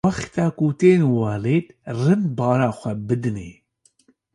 wexta ku tên welêt rind bala xwe bidinê.